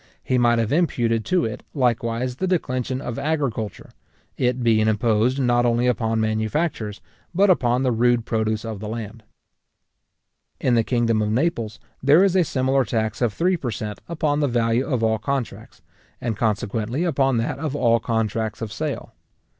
He might have imputed to it, likewise, the declension of agriculture, it being imposed not only upon manufactures, but upon the rude produce of the land. In the kingdom of Naples, there is a similar tax of three per cent. upon the value of all contracts, and consequently upon that of all contracts of sale.